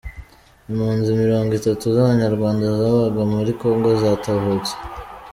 Impunzi mirongo itanu z’abanyarwanda zabaga muri Congo zatahutse